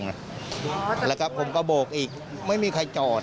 โอ๊ะแต่ตามนครและก็ผมก็โบกอีกไม่มีใครจอด